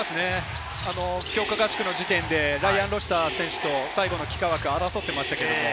強化合宿の時点で、ライアン・ロシター選手と最後の帰化枠を争っていました。